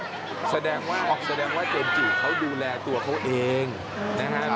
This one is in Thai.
ออกแสดงว่าเจมส์จีกเขาดูแลตัวเขาเองนะครับ